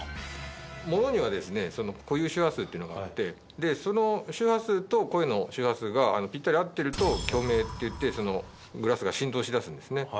物には固有周波数っていうのがあってその周波数と声の周波数がぴったり合ってると共鳴っていってグラスが振動しだすんですね。